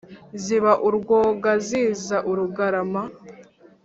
ziba urwoga ziza urugarama